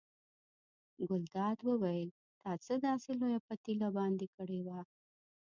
ګلداد وویل تا څه داسې لویه پتیله باندې کړې وه.